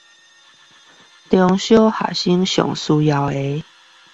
中小學生最需要的